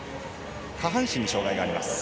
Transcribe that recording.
下半身に障がいがあります。